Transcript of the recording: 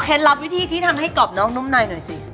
ลับวิธีที่ทำให้กรอบน้องนุ่มในหน่อยสิ